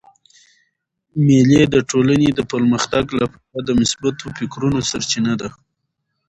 مېلې د ټولني د پرمختګ له پاره د مثبتو فکرو سرچینه ده.